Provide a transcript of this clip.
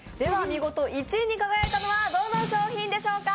見事１位に輝いたのはどの商品でしょうか？